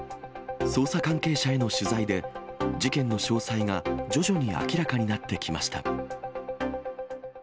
捜査関係者への取材で、事件の詳細が徐々に明らかになってきました。